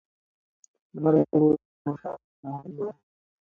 لمر ورو ورو د غرونو شا ته پناه یووړه